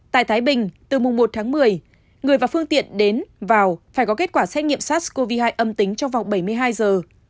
tại thái bình từ mùng một tháng một mươi người và phương tiện đến vào phải có kết quả xét nghiệm sars cov hai âm tính trong vòng bảy mươi hai giờ